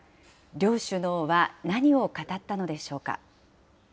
両首脳は何を語ったのでしょうか。